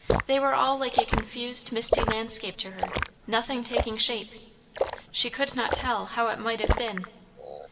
They were all like a confused misty landscape to her; nothing taking shape; she could not tell how it might have been.